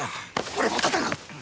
俺も戦う！